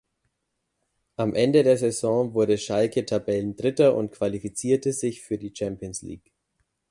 Am Ende der Saison wurde Schalke Tabellendritter und qualifizierte sich für die Champions League.